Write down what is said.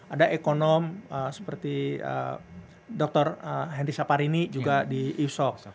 ada ekonom seperti dr henry saparini juga di yusok